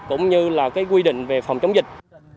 cũng như là cái quy định về phòng chống dịch